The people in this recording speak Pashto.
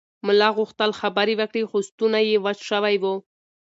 ملا غوښتل خبرې وکړي خو ستونی یې وچ شوی و.